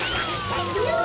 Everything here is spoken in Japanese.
てっしゅう。